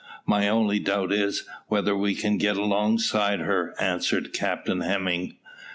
"My only doubt is, whether we can get alongside her," answered Captain Hemming.